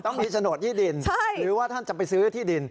มีโฉนดที่ดินหรือว่าท่านจะไปซื้อที่ดิน